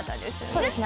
そうですね。